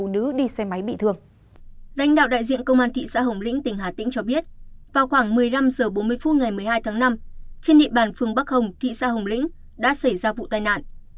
lãnh đạo đại diện công an thị xã hồng lĩnh tỉnh hà tĩnh cho biết vào khoảng một mươi năm h bốn mươi phút ngày một mươi hai tháng năm trên địa bàn phường bắc hồng thị xã hồng lĩnh đã xảy ra vụ tai nạn